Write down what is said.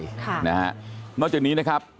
นอกจากนี้นะครับคุณน็อตกรองสลากพราสก็บอกว่า